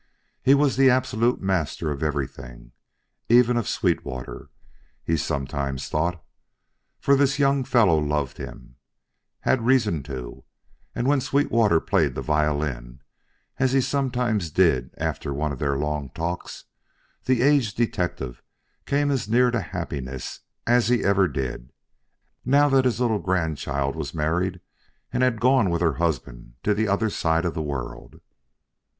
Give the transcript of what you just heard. He was the absolute master of everything, even of Sweetwater, he sometimes thought. For this young fellow loved him had reason to; and when Sweetwater played the violin, as he sometimes did after one of their long talks, the aged detective came as near happiness as he ever did, now that his little grandchild was married and had gone with her husband to the other side of the world.